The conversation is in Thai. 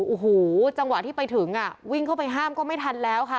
โอ้โหจังหวะที่ไปถึงอ่ะวิ่งเข้าไปห้ามก็ไม่ทันแล้วค่ะ